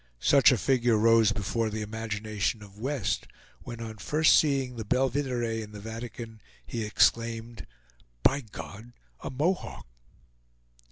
Such a figure rose before the imagination of West, when on first seeing the Belvidere in the Vatican, he exclaimed, "By God, a Mohawk!"